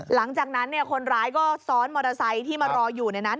หลังจากนั้นคนร้ายก็ซ้อนมอเตอร์ไซค์ที่มารออยู่ในนั้น